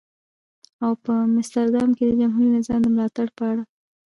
او په مستر دام کې د جمهوري نظام د ملاتړ په اړه.